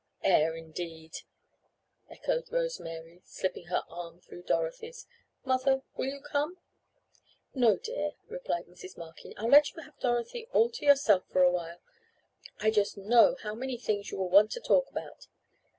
"Air indeed!" echoed Rose Mary, slipping her arm through Dorothy's. "Mother, will you come?" "No, dear," replied Mrs. Markin. "I'll let you have Dorothy all to yourself for awhile. I just know how many things you will want to talk about.